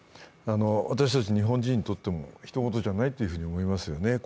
私たち日本人にとってもひと事じゃないと思いますよね。